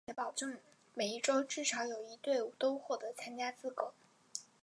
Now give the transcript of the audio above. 并且保证每一洲至少有一队伍都获得参加资格。